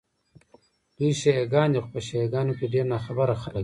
دوی شیعه ګان دي، خو په شیعه ګانو کې ډېر ناخبره خلک دي.